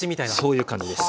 そういう感じです。